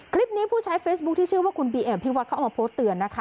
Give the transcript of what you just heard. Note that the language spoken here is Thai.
ผู้ใช้เฟซบุ๊คที่ชื่อว่าคุณบีเอมพิวัฒนเขาเอามาโพสต์เตือนนะคะ